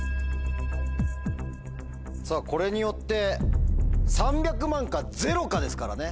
さぁこれによって「３００万か０か」ですからね。